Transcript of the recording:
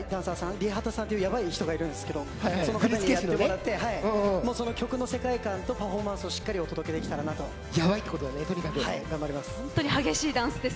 ＲＩＥＨＡＴＡさんという人がいるんですけどその方に振り付けをやってもらってその曲の世界観とパフォーマンスをしっかりお届けできればなと思います。